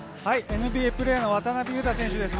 ＮＢＡプレーヤーの渡邊雄太選手です。